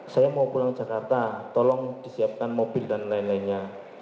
saya mau pulang jakarta tolong disiapkan mobil dan lain lainnya